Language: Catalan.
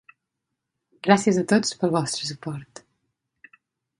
Gràcies a tots pel vostre suport.